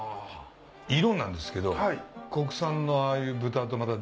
色なんですけど国産のああいう豚とまた。